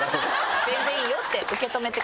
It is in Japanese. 「全然いいよ」って受け止めてくれました。